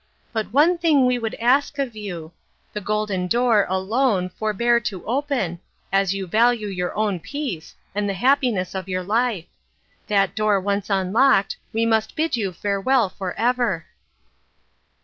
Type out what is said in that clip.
But one thing we would ask of you. The Golden Door, alone, forbear to open, as you value your own peace, and the happiness of your life. That door once unlocked, we must bid you farewell for ever."